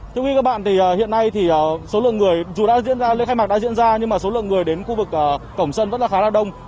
thưa quý vị và các bạn thì hiện nay thì số lượng người dù đã diễn ra lễ khai mạc đã diễn ra nhưng mà số lượng người đến khu vực cổng sân vẫn là khá là đông